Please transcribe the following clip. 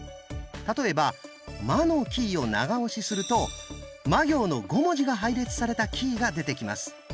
例えば「ま」のキーを長押しすると「ま」行の５文字が配列されたキーが出てきます。